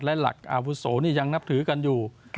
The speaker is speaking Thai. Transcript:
และหลักอาวุโสนี่ยังนับถือกันอยู่